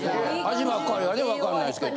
味ばっかりはねわかんないですけど。